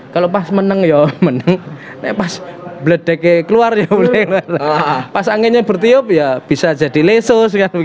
kalau pas menang ya menang pas bledeknya keluar ya pas anginnya bertiup ya bisa jadi lesos